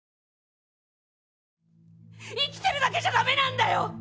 生きてるだけじゃダメなんだよ！